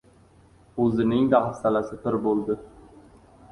O‘ziningda hafsalasi pir bo‘ldi.